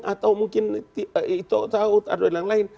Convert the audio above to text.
atau mungkin ito taut ado dan lain lain